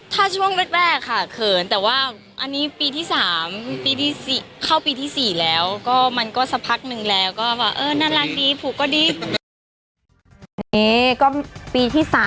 ถ้าช่วงแรกค่ะเกินแต่ว่าอันนี้ปีที่๓ปีที่